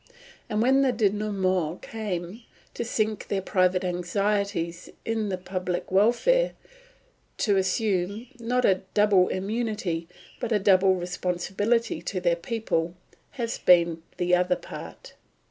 And when the dénouement came, to sink their private anxieties in the public welfare, to assume, not a double immunity but a double responsibility to their people, has been the other part.